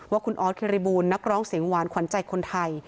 ว่าคุณออสคิริบูลนักร้องเสียงหวานขวัญใจคนไทย